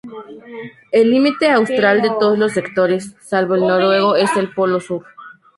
El límite austral de todos los sectores, salvo el noruego, es el Polo Sur.